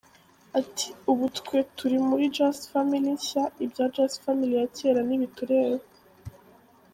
Ati: “ubu twe turi Just Family nshya, ibya Just Family ya cyera ntibitureba.